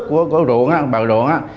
của ruộng bờ ruộng